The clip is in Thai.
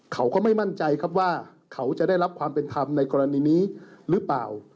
เขาก็ไม่มั่นใจครับว่าเขาจะได้รับความเป็นธรรมในกรณีนี้หรือเปล่า